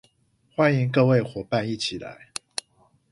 歡迎各位夥伴一起來